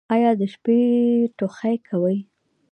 ایا د شپې ټوخی کوئ؟